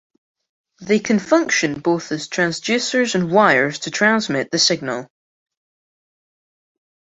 They can function both as transducers and wires to transmit the signal.